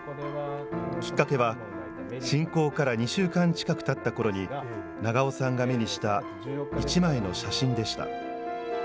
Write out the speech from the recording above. きっかけは、侵攻から２週間近くたったころに、長尾さんが目にした一枚の写真でした。